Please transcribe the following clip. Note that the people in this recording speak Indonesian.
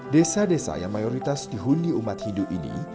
desa desa yang mayoritas dihuni umat hindu ini